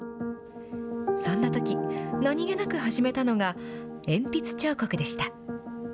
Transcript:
そんなとき何気なく始めたのが鉛筆彫刻でした。